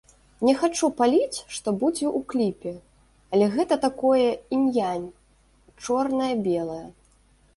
Не хачу паліць, што будзе ў кліпе, але гэта такое інь-янь, чорнае-белае.